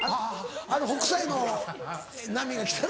あの北斎の波が来たら。